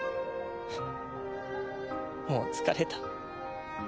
フッもう疲れた。